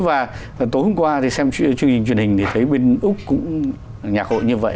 và tối hôm qua thì xem chương trình truyền hình thì thấy bên úc cũng nhạc hội như vậy